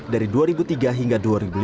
dari dua ribu tiga hingga dua ribu lima belas